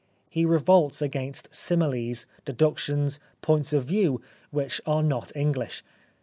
He revolts against similes, deductions, points of view which are not English.